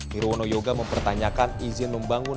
nirwono yoga mempertanyakan izin membangun